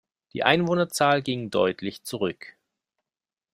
Die Einwohnerzahl ging deutlich zurück.